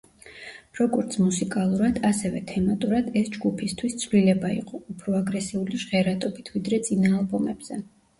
როგორც მუსიკალურად, ასევე თემატურად ეს ჯგუფისთვის ცვლილება იყო, უფრო აგრესიული ჟღერადობით, ვიდრე წინა ალბომებზე.